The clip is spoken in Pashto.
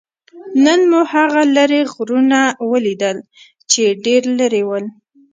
نن مو هغه لرې غرونه ولیدل؟ چې ډېر لرې ول.